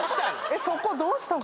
えっそこどうしたの？